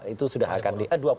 itu sudah akan